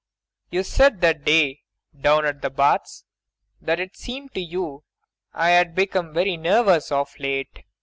You said that day down at the Baths that it seemed to you I had become very nervous of late MAIA.